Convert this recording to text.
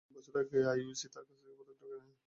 কিন্তু তিন বছর আগে আইওসি তাঁর কাছ থেকে পদকটি কেড়ে নেয়।